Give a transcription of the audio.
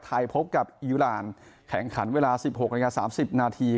ไทยพบกับอียุลาลแข่งขันเวลา๑๖๓๐นาที